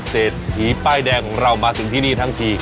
เศษทีป้ายแดงออกมาจนที่นี่ทั้งที